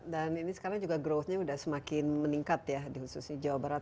dan ini sekarang juga growthnya udah semakin meningkat ya di khususnya jawa barat